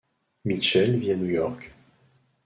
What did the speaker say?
Mitchell vit à New York.